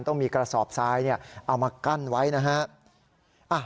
ต้องมีกระสอบทรายเอามากั้นไว้นะฮะ